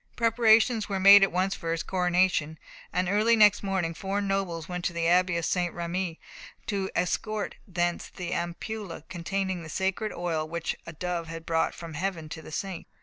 Preparations were at once made for his coronation, and early next morning four nobles went to the abbey of St. Rémi to escort thence the ampulla containing the sacred oil which a dove had brought from heaven to the saint.